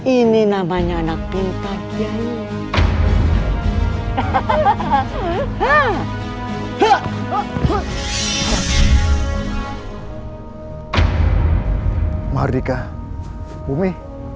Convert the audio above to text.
ini namanya anak pintar kiai